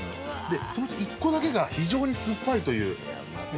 そのうち１個だけが非常にすっぱいという。